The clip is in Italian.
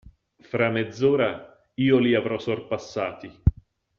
Fra mezz'ora io li avrò sorpassati.